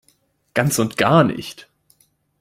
Ganz und gar nicht!